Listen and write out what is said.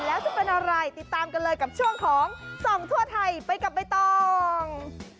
แล้วจะเป็นอะไรติดตามกันเลยกับช่วงของส่องทั่วไทยไปกับใบตอง